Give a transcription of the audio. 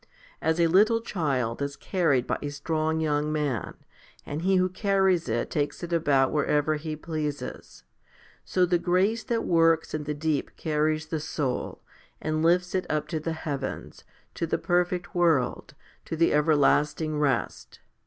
As a little child is carried by a strong young man, and he who carries it takes it about wherever he pleases, so the grace that works in the deep carries the soul, and lifts it up to the heavens, to the perfect world, to the everlasting rest.